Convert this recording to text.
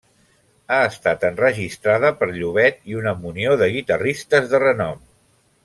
Ha estat enregistrada per Llobet i una munió de guitarristes de renom.